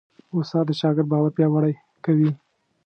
استاد د شاګرد باور پیاوړی کوي.